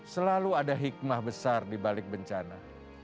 selalu ada hikmah besar di balik bencana